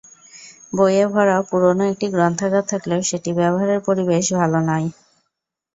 বইয়ে ভরা পুরোনো একটি গ্রন্থাগার থাকলেও সেটি ব্যবহারের পরিবেশ ভালো নয়।